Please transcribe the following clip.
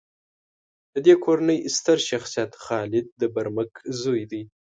د دې کورنۍ ستر شخصیت خالد د برمک زوی دی.